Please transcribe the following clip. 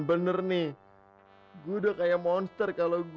terus ntar dia bakalan kecewa kalau gue tinggal mati duluan